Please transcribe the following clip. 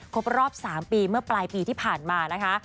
ครบรอบ๓ปีเมื่อปลายปีที่ผ่านมานะคะ